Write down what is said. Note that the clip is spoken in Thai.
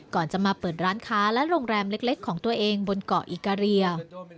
ก่อนจะมาเปิดร้านค้าและโรงแรมเล็กของตัวเองบนเกาะอิกาเรีย